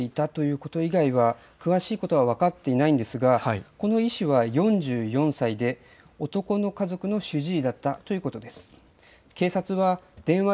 弔問に訪れていたということ以外には詳しいことは分かっていないんですがこの医師は４４歳で男の家族の主治医だったということです。